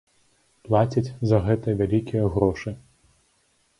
Плацяць за гэта вялікія грошы.